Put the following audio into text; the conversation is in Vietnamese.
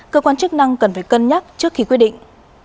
cơ quan chức năng cần phải cân nhắc trước khi quyết định